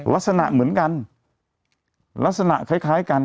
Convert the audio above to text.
ลักษณะเหมือนกันลักษณะคล้ายกัน